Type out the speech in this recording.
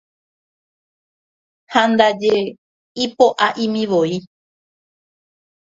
Ha ndaje ipoʼaʼimivoi.